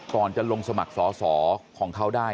ก่อนจะลงสมัครสอสอของเขาได้